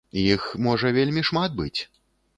Іх можа вельмі шмат быць!